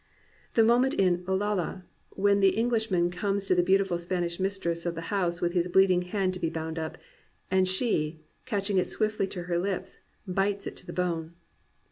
" The moment in Olalla when the Eng lishman comes to the beautiful Spanish mistress of the house with his bleeding hand to be bound up, and she, catching it swiftly to her lips, bites it to the bone.